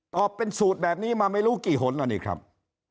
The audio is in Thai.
เป็นสูตรแบบนี้มาไม่รู้กี่หนแล้วนี่ครับ